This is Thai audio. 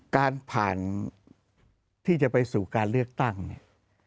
การผ่านที่จะไปสู่การเลือกตั้งเนี่ย